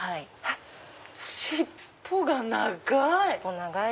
尻尾が長い！